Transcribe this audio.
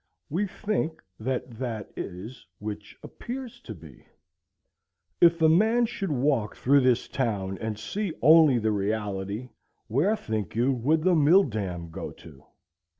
We think that that is which appears to be. If a man should walk through this town and see only the reality, where, think you, would the "Mill dam" go to?